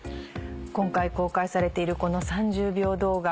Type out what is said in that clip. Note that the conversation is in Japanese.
今回公開されているこの３０秒動画。